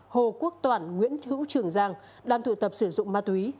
hồ quốc toản nguyễn thủ trường giang đang thụ tập sử dụng ma túy